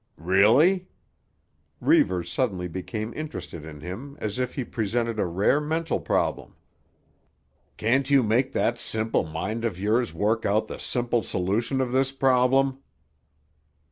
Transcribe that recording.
"Really?" Reivers suddenly became interested in him as if he presented a rare mental problem. "Can't you make that simple mind of yours work out the simple solution of this problem?"